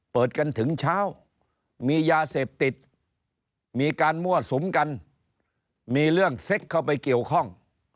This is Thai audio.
เปิดกันถึงเช้ามียาเสพติดมีการมั่วสุมกันมีเรื่องเซ็กเข้าไปเกี่ยวข้อง